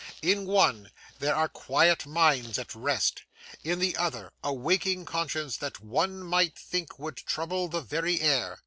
In one, there are quiet minds at rest; in the other, a waking conscience that one might think would trouble the very air.